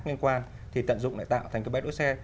ngoan thì tận dụng lại tạo thành cái bến đỗ xe